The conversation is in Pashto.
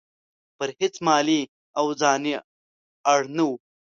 پر هیڅ مالي او ځاني اړ نه وو.